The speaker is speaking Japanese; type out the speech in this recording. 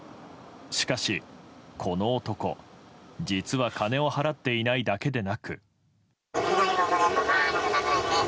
しかし、この男実は金を払っていないだけでなく。